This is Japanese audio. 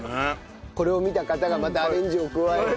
これを見た方がまたアレンジを加えて。